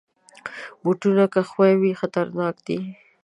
بوټونه که ښوی وي، خطرناک دي.